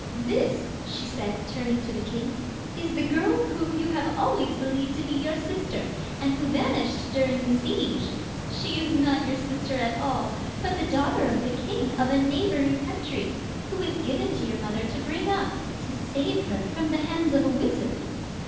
'This,' she said, turning to the king, 'is the girl whom you have always believed to be your sister, and who vanished during the siege. She is not your sister at all, but the daughter of the king of a neighbouring country, who was given to your mother to bring up, to save her from the hands of a wizard.